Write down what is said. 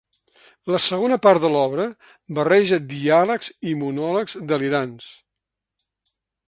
La segona part de l’obra barreja diàlegs i monòlegs delirants.